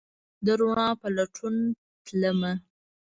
د روڼا په لټون تلمه